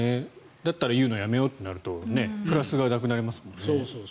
だったら言うのやめようってなるとプラスがなくなりますもんね。